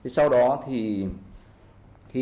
sau đó thì